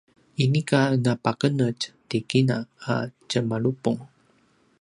inika napaqenetj ti kina a tjemalupung